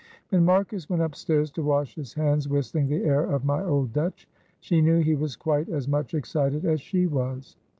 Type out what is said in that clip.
When Marcus went upstairs to wash his hands, whistling the air of "My old Dutch," she knew he was quite as much excited as she was.